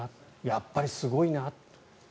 やっぱりすごいな。